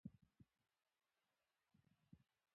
د رڼا لور ته مو بیايي.